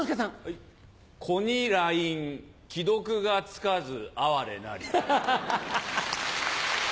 子にＬＩＮＥ既読がつかず哀れなり。